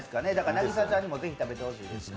なぎさちゃんにも是非食べてほしいですね。